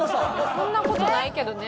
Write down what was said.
そんな事ないけどね。